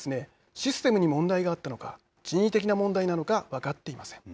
システムに問題があったのか人為的な問題なのか分かっていません。